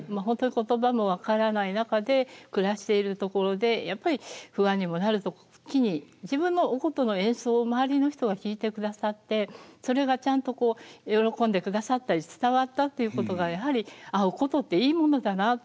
本当に言葉も分からない中で暮らしているところでやっぱり不安にもなる時に自分のお箏の演奏を周りの人が聴いてくださってそれがちゃんと喜んでくださったり伝わったっていうことがやはり「ああお箏っていいものだな。